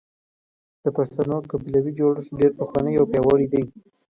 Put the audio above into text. د پښتنو قبيلوي جوړښت ډېر پخوانی او پياوړی دی.